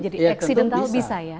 jadi eksidental bisa ya